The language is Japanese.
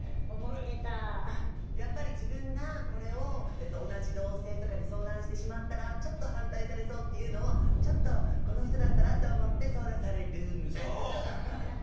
やっぱり自分がこれを同じ同性とかに相談してしまったらちょっと反対されそうっていうのをちょっとこの人だったらって思って相談されるみたいな。